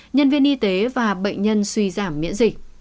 nhân viên y tế và bệnh nhân suy giảm miễn dịch